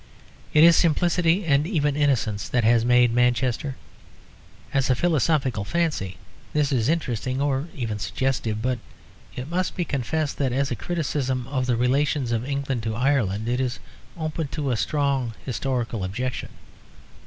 It is simplicity and even innocence that has made Manchester. As a philosophical fancy this is interesting or even suggestive; but it must be confessed that as a criticism of the relations of England to Ireland it is open to a strong historical objection.